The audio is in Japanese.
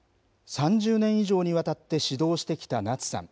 ３０年以上にわたって指導してきた夏さん。